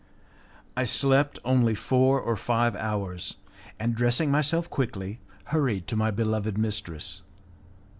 I slept only four or five hours, and, dressing myself quickly, hurried to my beloved mistress.